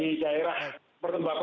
kemarin saya dengar katanya prof hasbullah